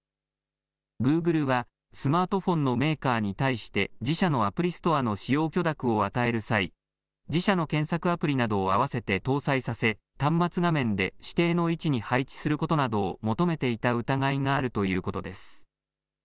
グーグルはスマートフォンのメーカーに対して自社のアプリストアの使用許諾を与える際自社の検索アプリなどを併せて搭載させ端末画面で指定の位置に配置することなどを求めていた疑いがあるということです。